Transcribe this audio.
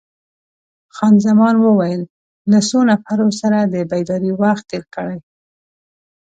خان زمان وویل: له څو نفرو سره د بېدارۍ وخت تیر کړی؟